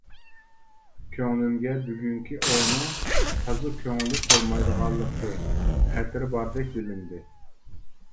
كۆڭلۈمگە بۈگۈنكى ئوۋنىڭ تازا كۆڭۈللۈك بولمايدىغانلىقى، خەتىرى باردەك بىلىندى.